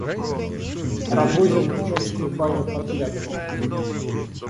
Рагозин в женскую баню подглядывал.